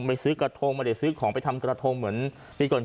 ซื้อกระทงไม่ได้ซื้อของไปทำกระทงเหมือนปีก่อน